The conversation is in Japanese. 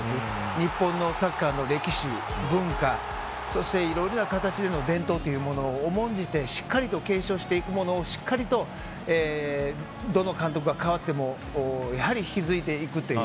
日本のサッカーの歴史、文化そしていろいろな形での伝統というものを重んじてしっかりと継承していくものをしっかりとどの監督に代わってもやはり引き継いでいくという。